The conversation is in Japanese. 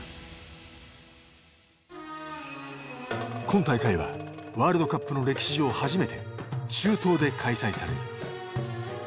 今大会はワールドカップの歴史上初めて中東で開催される。